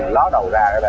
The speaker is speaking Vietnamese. ló đầu ra